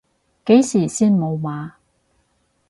幾時先無碼？